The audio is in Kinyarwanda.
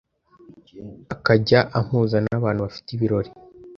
akajya ampuza n’abantu bafite ibirori